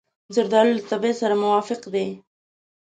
زردالو له طبیعت سره موافق دی.